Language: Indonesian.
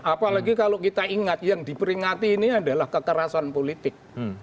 apalagi kalau kita ingat yang diperingati ini adalah kekerasan politik